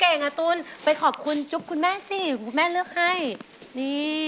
อ้อเอาไว้ให้เพลงนี้มันแทงหน่อยดี